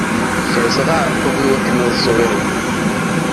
Kerzeɣ aɛerqub iwakken ad ẓẓuɣ irden.